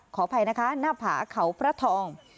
ขออภัยนะคะหน้าผาเขาพระทอง